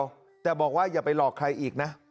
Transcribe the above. เขาร้องไห้กันหมดเลยนะ